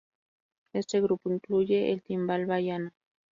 Este grupo incluye el timbal bahiano.